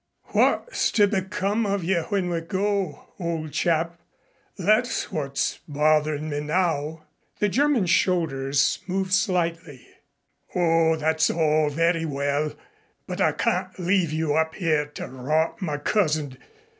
"What's to become of you, when we go, old chap that's what's bothering me now." The German's shoulders moved slightly. "Oh, that's all very well, but I can't leave you up here to rot, my cousin.